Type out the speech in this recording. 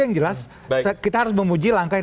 yang jelas kita harus memuji langkah yang